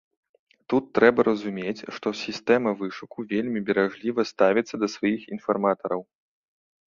Тут трэба разумець, што сістэма вышуку вельмі беражліва ставіцца да сваіх інфарматараў.